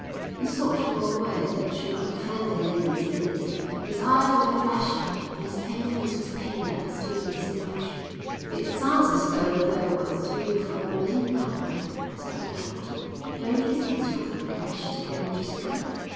He sought for a word that should not offend the ladies' ears. His eyes were flashing and his pale face was paler still in his emotion. "It sounds as though there were three or four men down there," said the doctor. "Don't you think it's rather rash to go in just now?"